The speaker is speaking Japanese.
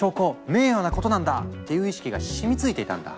名誉なことなんだ！」っていう意識が染みついていたんだ。